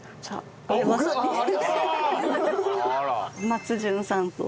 松潤さんと。